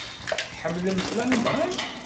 Tḥemmlemt Lalman?